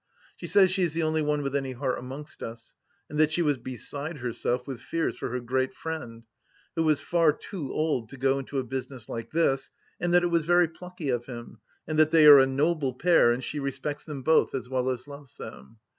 She says she's the only one with any heart amongst us, and that she was beside herself with fears for her great friend, who was far too old to go into a business like this, and that it was very plucky of him, and that they are a noble pair, and she respects them both as well as loves them.